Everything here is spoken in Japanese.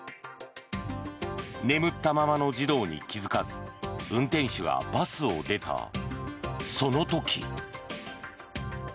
眠ったままの児童に気付かず運転手がバスを出たその時。